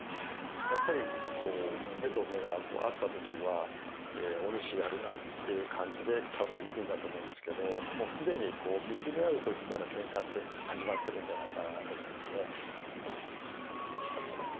やっぱりこう目と目が合った時は「お主やるな」という感じで多分いくんだと思うんですけどもう既にこう見つめ合う時からケンカって始まってるんじゃないかなと思うんですね。